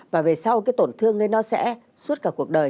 và về sau cái tổn thương ấy nó sẽ suốt cả cuộc đời